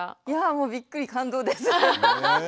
いやもうびっくり感動です。